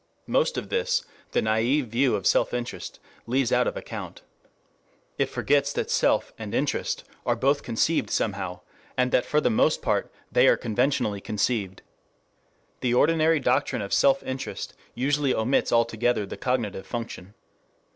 4 Most of this the naive view of self interest leaves out of account. It forgets that self and interest are both conceived somehow, and that for the most part they are conventionally conceived. The ordinary doctrine of self interest usually omits altogether the cognitive function.